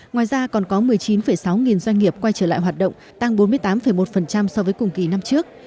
ngoài ra còn có một mươi chín sáu nghìn doanh nghiệp quay trở lại hoạt động tăng bốn mươi tám một so với cùng kỳ năm trước